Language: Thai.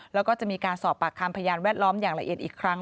แล้วก็จะมีการสอบปากคำพยานแวดล้อมอย่างละเอียดอีกครั้ง